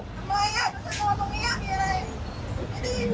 ทำไมจะลองตรงเนี้ย